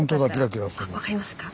あっ分かりますか？